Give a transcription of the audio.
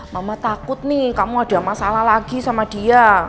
mama takut nih kamu ada masalah lagi sama dia